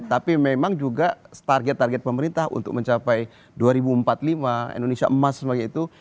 tapi memang juga target target pemerintah untuk mencapai dua ribu empat puluh lima indonesia emas sebagai itu